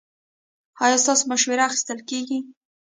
ایا ستاسو مشوره اخیستل کیږي؟